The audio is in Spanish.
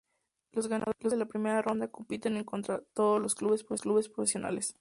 Los ganadores de la primera ronda compiten en contra todos los clubes profesionales.